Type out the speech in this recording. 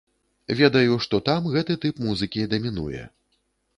Ведаю, што там гэты тып музыкі дамінуе.